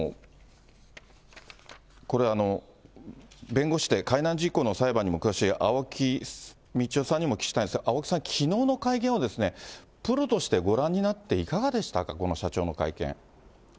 これ、弁護士で海難事故の裁判にも詳しい青木理生さんにもお聞きしたいんですけど、青木さん、きのうの会見は、プロとしてご覧になっていかがでした？